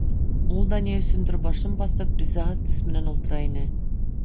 Ул да, ни өсөндөр башын баҫып, ризаһыҙ төҫ менән ултыра ине.